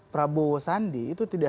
prabowo sandi itu tidak